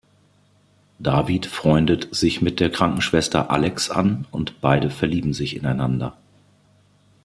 David freundet sich mit der Krankenschwester Alex an, und beide verlieben sich ineinander.